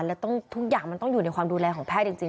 แล้วทุกอย่างมันต้องอยู่ในความดูแลของแพทย์จริง